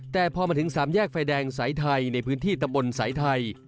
แต่พอมาถึงสามแยกไฟแดงสายไทยในพื้นที่ตำบลสายไทย